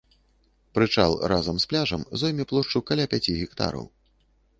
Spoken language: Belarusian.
Прычал разам з пляжам зойме плошчу каля пяці гектараў.